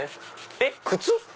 えっ靴⁉